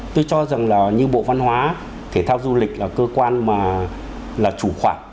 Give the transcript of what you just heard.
tôi cho rằng là như bộ văn hóa thể thao du lịch là cơ quan mà là chủ quản